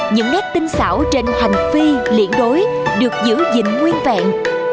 những nét tinh xảo trên hành phi liễn đối được giữ dịnh nguyên vẹn